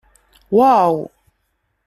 Waw!